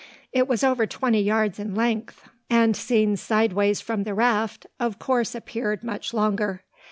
It was over twenty yards in length; and, seen sideways from the raft, of course appeared much longer.